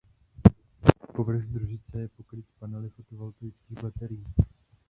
Povrch družic je pokryt panely fotovoltaických baterií.